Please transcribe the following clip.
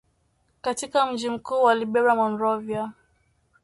katika mji mkuu wa Liberia Monrovia